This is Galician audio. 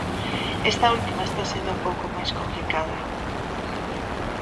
Esta última está sendo un pouco máis complicada.